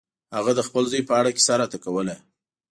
هغه د خپل زوی په اړه کیسه راته کوله.